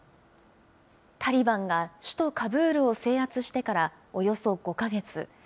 タリバンが首都カブールを制圧してからおよそ５か月。